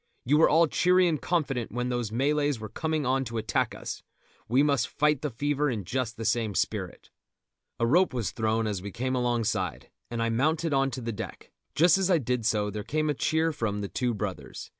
You were all cheery and confident when those Malays were coming on to attack us; we must fight the fever in just the same spirit." A rope was thrown as we came alongside, and I mounted on to the deck; just as I did so there came a cheer from The Two Brothers.